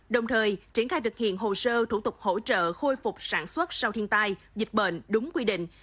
đồng thời triển khai thực hiện hồ sơ thủ tục hỗ trợ khôi phục sản xuất sau thiên tai dịch bệnh đúng quy định